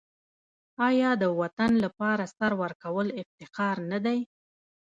آیا د وطن لپاره سر ورکول افتخار نه دی؟